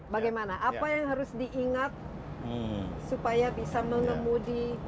bagaimana apa yang harus diingat supaya bisa mengemudi